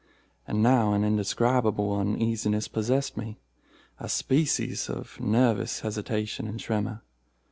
And now an indescribable uneasiness possessed me—a species of nervous hesitation and tremor.